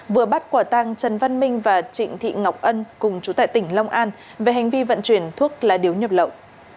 vừa bắt quả tăng trần văn minh và trịnh thị ngọc ân cùng chú tại tỉnh long an về hành vi vận chuyển thuốc lá điếu nhập lậu